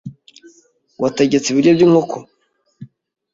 Wategetse ibiryo by'inkoko?